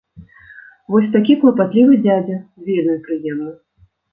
Вось такі клапатлівы дзядзя, вельмі прыемна!